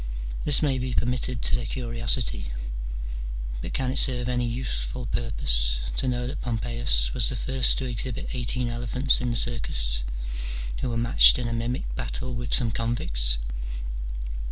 This may be permitted to their curiosity : but can it serve any useful purpose to know that Pompeius was the first to exhibit eighteen elephants in the circus, who were matched in a mimic battle with some convicts